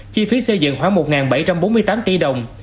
chi phí xây dựng khoảng một bảy trăm bốn mươi tám tỷ đồng